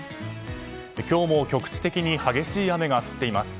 今日も局地的に激しい雨が降っています。